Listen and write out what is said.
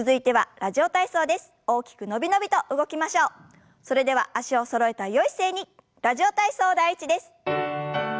「ラジオ体操第１」です。